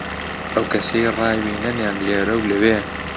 ئەو کەسەی ڕاوی نەنێن لێرە و لەوێ،